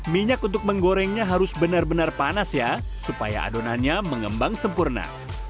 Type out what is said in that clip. minyak untuk menggorengnya harus benar benar panas ya supaya adonannya mengembang sempurna